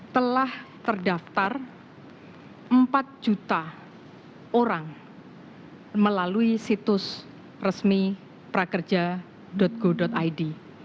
telah terdaftar empat juta orang melalui situs resmi prakerja go id